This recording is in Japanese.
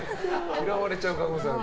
嫌われちゃう可能性ある。